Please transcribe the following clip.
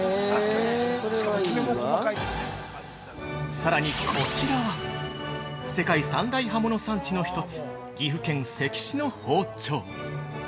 ◆さらにこちらは世界三代刃物産地の一つ、岐阜県関市の包丁。